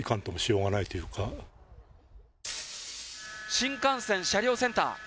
新幹線車両センター。